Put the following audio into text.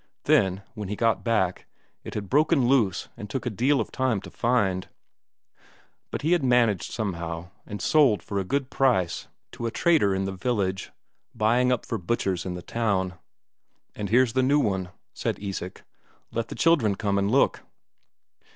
Then, when he got back, it had broken loose and took a deal of time to find. But he had managed somehow, and had sold for a good price to a trader in the village, buying up for butchers in the town. "And here's the new one," said Isak. "Let the children come and look."